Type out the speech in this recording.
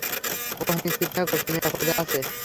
ওহ নিশ্চিন্ত থাক, সে নিরাপদে আছে।